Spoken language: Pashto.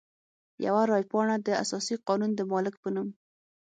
یوه رای پاڼه د اساسي قانون د مالک په نوم.